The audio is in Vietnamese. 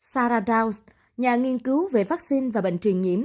sarah downs nhà nghiên cứu về vaccine và bệnh truyền nhiễm